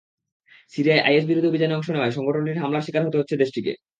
সিরিয়ায় আইএসবিরোধী অভিযানে অংশ নেওয়ায় সংগঠনটির হামলার শিকার হতে হচ্ছে দেশটিকে।